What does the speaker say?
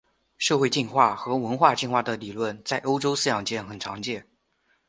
社会进化和文化进化的理论在欧洲思想界很常见。